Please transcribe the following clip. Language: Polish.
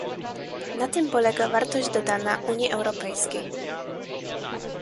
Na tym polega wartość dodana Unii Europejskiej